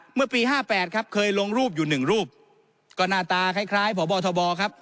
เมื่อปี๕๘ครับเคยลงรูปอยู่หนึ่งรูปก็หน้าตาคล้ายพบทบครับ